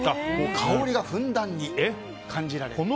香りがふんだんに感じられます。